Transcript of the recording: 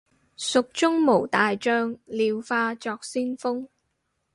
蜀中無大將，廖化作先鋒